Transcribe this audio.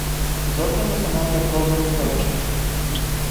Зад него се наоѓа прозорец со решетки.